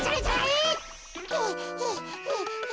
はあはあはあ。